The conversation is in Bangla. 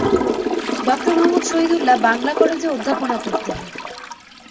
ড মুহম্মদ শহীদুল্লাহ বাংলা কলেজে অধ্যাপনা করতেন।